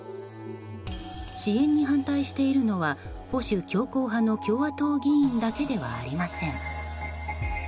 支援に反対しているのは保守強硬派の共和党議員だけではありません。